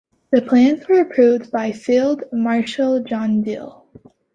The plans were approved by Field Marshal John Dill.